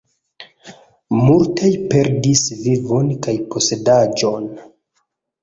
Multaj perdis vivon kaj posedaĵon.